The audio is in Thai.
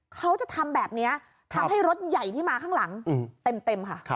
เขาจะทำแบบนี้ทำให้รถใหญ่ที่มาข้างหลังเต็มค่ะ